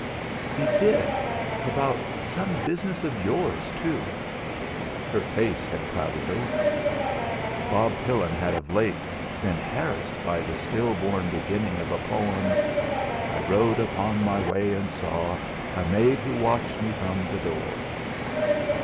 "He did; about some business of yours, too." Her face had clouded over. Bob Pillin had of late been harassed by the still born beginning of a poem: "I rode upon my way and saw A maid who watched me from the door."